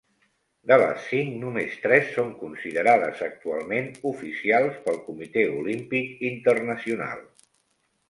De les cinc, només tres són considerades actualment oficials pel Comitè Olímpic Internacional.